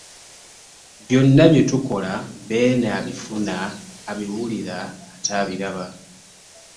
“Byonna byetukola Beene abifuna, abiwulira ate abiraba"